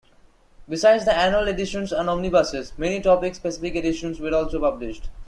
Besides the annual editions and omnibuses, many topic specific editions were also published.